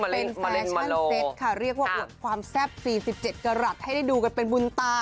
เป็นแฟชั่นเซ็ตค่ะเรียกว่าอวดความแซ่บ๔๗กรัฐให้ได้ดูกันเป็นบุญตา